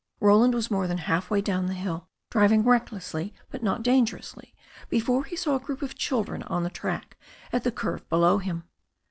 Roland was more than half way down the hill, driving recklessly but not dangerously, before he saw a group of children on the track at the curve below him.